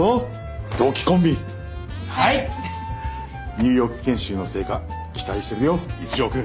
ニューヨーク研修の成果期待してるよ一条くん。